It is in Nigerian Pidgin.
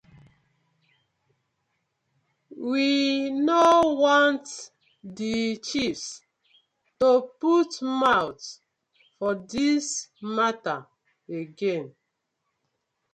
We no want the chiefs to put mouth for dis matta again.